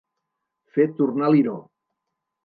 Fer tornar liró.